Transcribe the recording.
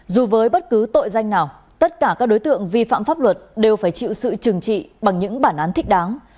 dù với bất cứ tội danh nào tất cả các đối tượng vi phạm pháp luật đều phải chịu sự trừng trị bằng những bản án thích đáng